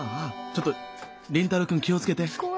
ちょっと凛太郎くん気をつけて！